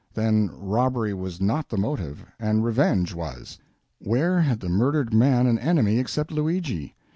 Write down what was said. Then robbery was not the motive, and revenge was. Where had the murdered man an enemy except Luigi?